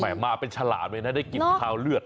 มาเป็นฉลามเลยนะได้กินคาวเลือด